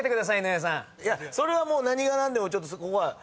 いやそれはもう何が何でもちょっとここは。